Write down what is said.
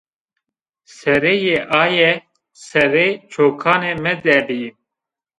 Sereyê aye serê çokanê mi de bî